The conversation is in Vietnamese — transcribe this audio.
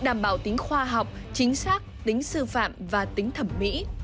đảm bảo tính khoa học chính xác tính sư phạm và tính thẩm mỹ